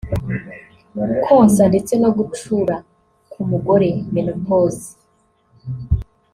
konsa ndetse no gucura k’umugore (menopause)